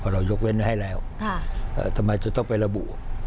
เรายกเว้นไว้ให้แล้วทำไมจะต้องไประบุ